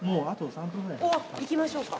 おわっ行きましょうか。